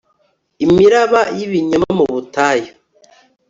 Imiraba yibinyoma mu butayu